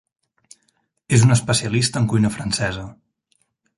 És un especialista en cuina francesa.